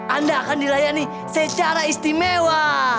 anda akan dilayani secara istimewa